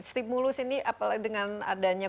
stimulus ini dengan adanya